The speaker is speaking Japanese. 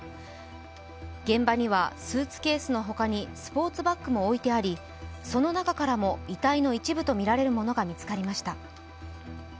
現場には、スーツケースの他にスポーツバッグも置いてありその中からも遺体の一部とみられるものが見つかりました。